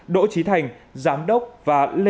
đỗ trí thành giám đốc và lê